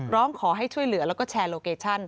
ร้องขอให้ช่วยเหลือแล้วก็แชร์โลเคชัน